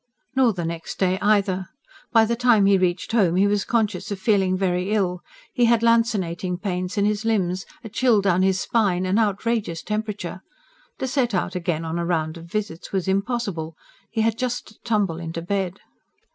Nor the next day either. By the time he reached home he was conscious of feeling very ill: he had lancinating pains in his limbs, a chill down his spine, an outrageous temperature. To set out again on a round of visits was impossible. He had just to tumble into bed.